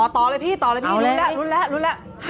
ต่อเลยพี่ต่อเลยพี่รุ้นแล้ว